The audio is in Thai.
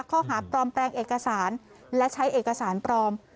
ข้อหาปลอมแปลงเอกสารและใช้เอกสารปลอม